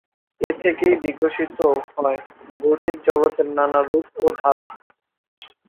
এ থেকেই বিকশিত হয় ভৌতিক জগতের নানা রূপ ও ধারা।